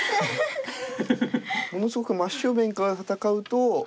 ものすごく真正面から戦うと。